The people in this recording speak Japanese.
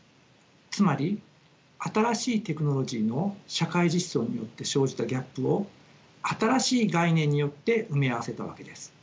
つまり新しいテクノロジーの社会実装によって生じたギャップを新しい概念によって埋め合わせたわけです。